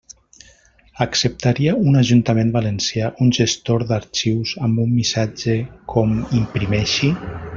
Acceptaria un ajuntament valencià un gestor d'arxius amb un missatge com imprimeixi?